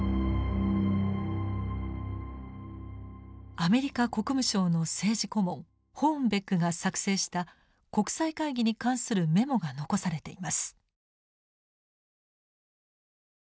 アメリカ国務省の政治顧問ホーンベックが作成した国際会議に関するメモが残されています。